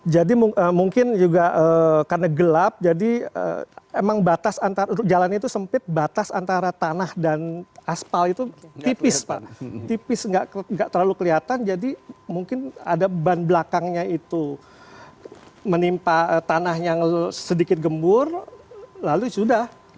jadi mungkin juga karena gelap jadi emang batas jalan itu sempit batas antara tanah dan aspal itu tipis pak tipis gak terlalu kelihatan jadi mungkin ada ban belakangnya itu menimpa tanah yang sedikit gembur lalu sudah